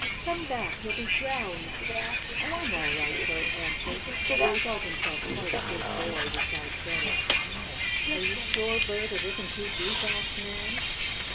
"Come back, you'll be drowned!" "Oh, I'm all right," Bert answered, for he felt himself quite a big boy beside Freddie. "Are you sure, Bert, it isn't too deep?" asked Nan.